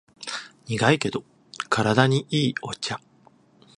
苦いけど体にいいお茶